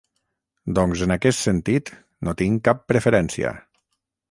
Doncs en aquest sentit no tinc cap preferència.